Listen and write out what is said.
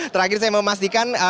terakhir saya mau memastikan